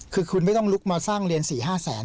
คือคุณไม่ต้องลุกมาสร้างเรียน๔๕แสน